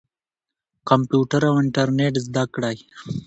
کمپیوټر او انټرنیټ زده کړئ.